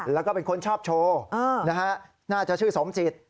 แล้วก็เป็นคนชอบโชว์นะฮะน่าจะชื่อสมจิต